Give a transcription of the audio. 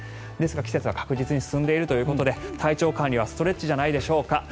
ですが、季節は確実に進んでいるということで体調管理はストレッチじゃないでしょうか。